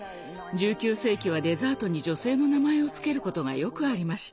１９世紀はデザートに女性の名前を付けることがよくありました。